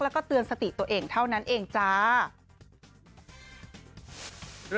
แล้วก็เตือนสติตัวเองเท่านั้นเองจ้า